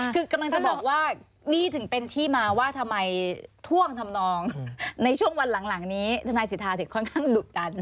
คือกำลังจะบอกว่านี่ถึงเป็นที่มาว่าทำไมท่วงทำนองในช่วงวันหลังนี้ทนายสิทธาถึงค่อนข้างดุดัน